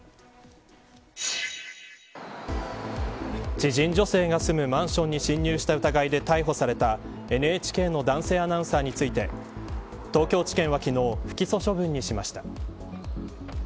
知人女性が住むマンションに侵入した疑いで逮捕された、ＮＨＫの男性アナウンサーについて東京地検は昨日不起訴訴分にしました。